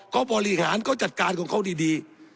เขาบริหารเขาจัดการของเขาดี